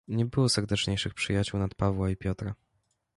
"Nie było serdeczniejszych przyjaciół nad Pawła i Piotra."